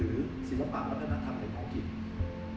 ต้องสะท้อนชีวิตความเป็นอยู่หรือศิลปะวัฒนธรรมในของผิด